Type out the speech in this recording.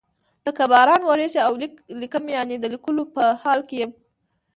لکه باران وریږي او لیک لیکم یعنی د لیکلو په حال کې یم.